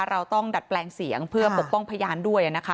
เราต้องดัดแปลงเสียงเพื่อปกป้องพยานด้วยนะคะ